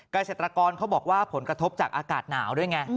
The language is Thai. เกษตรกรเขาบอกว่าผลกระทบจากอากาศหนาวด้วยไง